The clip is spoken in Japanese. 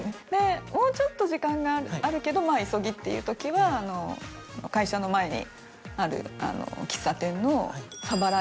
もうちょっと時間があるけど急ぎっていうときは会社の前にある喫茶店の。